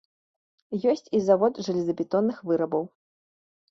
Ёсць і завод жалезабетонных вырабаў.